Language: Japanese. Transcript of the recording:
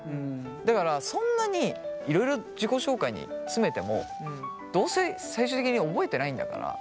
だからそんなにいろいろ自己紹介に詰めてもどうせ最終的に覚えてないんだから。